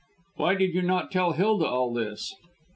"Why did you not tell Hilda all this?"